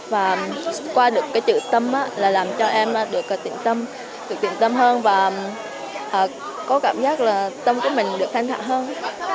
và qua được cái chữ tâm là làm cho em được tỉnh tâm hơn và có cảm giác là tâm của mình được thanh thản hơn